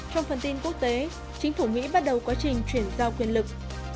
trong phần tin quốc tế chính phủ mỹ bắt đầu quá trình chuyển giao quyền lực